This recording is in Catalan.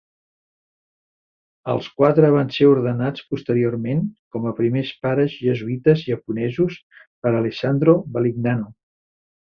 Els quatre van ser ordenats posteriorment com a primers pares jesuïtes japonesos per Alessandro Valignano.